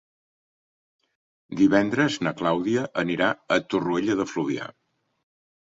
Divendres na Clàudia anirà a Torroella de Fluvià.